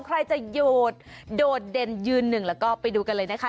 ใครจะโหดโดดเด่นยืนหนึ่งแล้วก็ไปดูกันเลยนะคะ